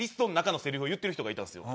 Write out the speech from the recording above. を言ってる人がいたんですよ。